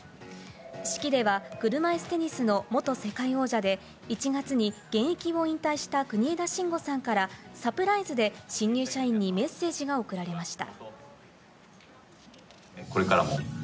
式では車いすテニスの元世界王者で、１月に現役を引退した国枝慎吾さんからサプライズで新入社員にメッセージが送られました。